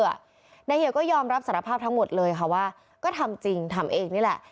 นายเหี่ยวก็ยอมรับสารภาพทั้งหมดเลยค่ะว่าก็ทำจริงทำเองนี่แหละ